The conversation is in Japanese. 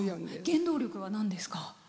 原動力はなんですか？